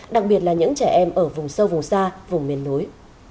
đặc biệt là những trẻ em ở vùng sâu vùng xa vùng miền núi